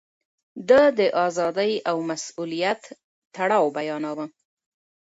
ده د ازادۍ او مسووليت تړاو بيانوه.